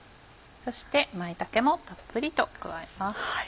そして舞茸もたっぷりと加えます。